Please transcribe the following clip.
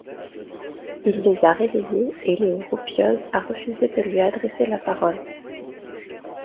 Il les a réveillés et Léo Roupioz a refusé de lui adresser la parole.